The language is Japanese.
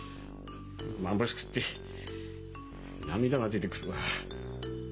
まぶしくって涙が出てくるわ。